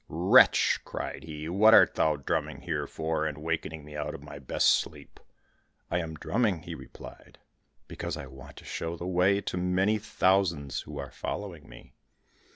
"Wretch!" cried he; "what art thou drumming here for, and wakening me out of my best sleep?" "I am drumming," he replied, "because I want to show the way to many thousands who are following me."